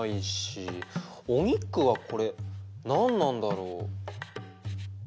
お肉はこれ何なんだろう？